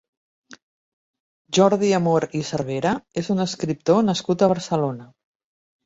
Jordi Amor i Cervera és un escriptor nascut a Barcelona.